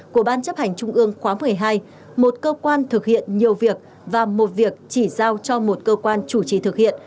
của ban chấp hành trung ương khóa một mươi hai một cơ quan thực hiện nhiều việc và một việc chỉ giao cho một cơ quan chủ trì thực hiện